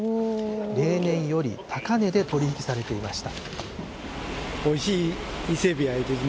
例年より高値で取り引きされていました。